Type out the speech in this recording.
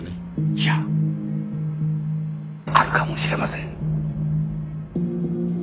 いやあるかもしれません。